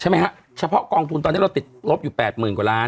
ใช่ไหมคะเฉพาะกองทุนตอนนี้เราติดลบอยู่๘๐๐๐๐กว่าล้าน